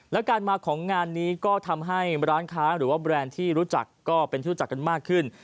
และการมาของงานนี้ก็ทำให้ร้านค้าหรือว่าแบรนด์ที่รู้จักก็เป็นที่รู้จักกันมากขึ้น